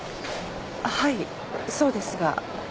はいそうですが。